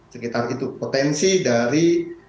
sekitar itu potensi dari